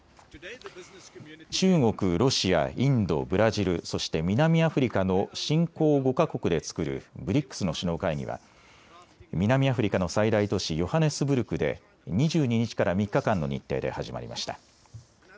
中国、ロシア、インド、ブラジル、そして南アフリカの新興５か国で作るＢＲＩＣＳの首脳会議は南アフリカの最大都市ヨハネスブルクで２２日から３日間の日程で始まりました。